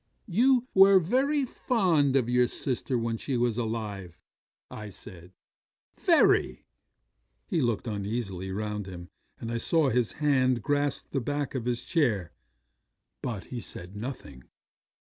'"You were very fond of your sister when she was alive," I said. "Very." 'He looked uneasily round him, and I saw his hand grasp the back of his chair; but he said nothing.